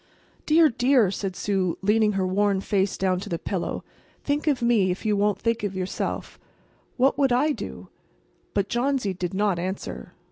"Dear, dear!" said Sue, leaning her worn face down to the pillow, "think of me, if you won't think of yourself. What would I do?" But Johnsy did not answer.